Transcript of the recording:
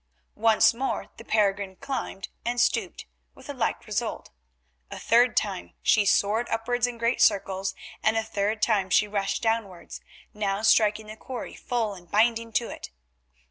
Once more the peregrine climbed and stooped with a like result. A third time she soared upwards in great circles, and a third time rushed downwards, now striking the quarry full and binding to it.